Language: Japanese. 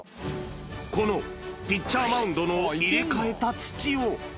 このピッチャーマウンドの入れ替えた土を。